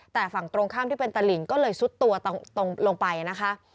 แต่ฝั่งตรงข้ามที่เป็นตะหลิงก็เลยซุดตัวตรงลงไปนะคะ